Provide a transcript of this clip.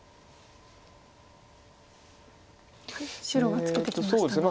白がツケてきました。